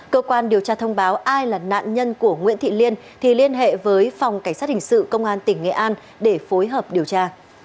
cơ quan điều tra thông báo ai là nạn nhân của nguyễn thị liên thì liên hệ với phòng cảnh sát hình sự công an tỉnh nghệ an để phối hợp điều tra